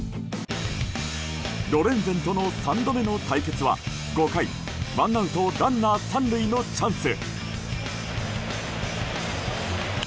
ロレンゼンとの３度目の対決は５回ワンアウトランナー３塁のチャンス。